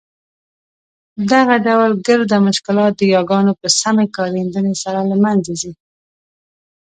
دغه ډول ګرده مشکلات د یاګانو په سمي کارېدني سره له مینځه ځي.